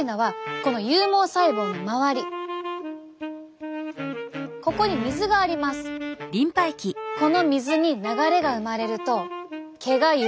この水に流れが生まれると毛が揺れます。